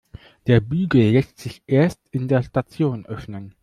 Der Bügel lässt sich erst in der Station öffnen.